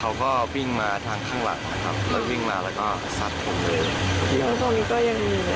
เขาก็วิ่งมาทางข้างหลังแล้ววิ่งมาแล้วศัษย์ผมเลย